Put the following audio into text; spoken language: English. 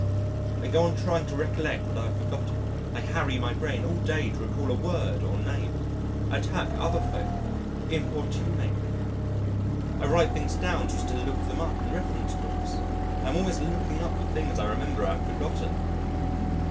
I go on trying to recollect what I have forgotten, I harry my brain all day to recall a word or name, I attack other folk importunately. I write things down so as to look them up in reference books I am always looking up the things I remember I have forgotten....